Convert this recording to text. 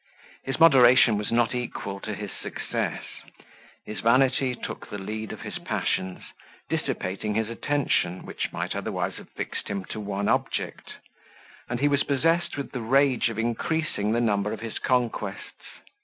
His moderation was not equal to his success: his vanity took the lead of his passions, dissipating his attention, which might otherwise have fixed him to one object; and he was possessed with the rage of increasing the number of his conquests.